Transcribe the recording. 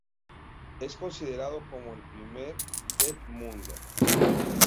Es considerado como el primer del mundo.